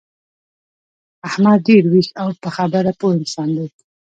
احمد ډېر ویښ او په خبره پوه انسان دی.